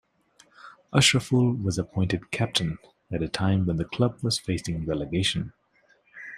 Ashraful was appointed captain at a time when the club was facing relegation.